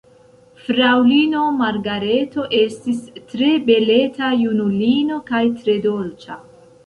Fraŭlino Margareto estis tre beleta junulino kaj tre dolĉa.